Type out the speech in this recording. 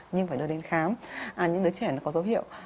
nhưng phải đưa đến khám những đứa trẻ nó có dấu hiệu